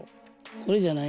これじゃない？